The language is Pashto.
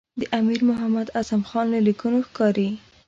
د امیر محمد اعظم خان له لیکونو ښکاري.